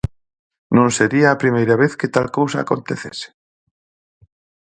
Non sería a primeira vez que tal cousa acontecese.